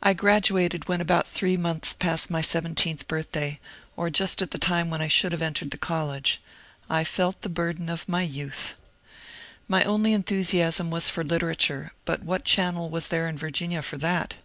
I graduated when about three months past my seventeenth birthday, or just at the time when I should have entered the college. I felt the bur den of youth. My only enthusiasm was for literature, but what channel was there in Virginia for that?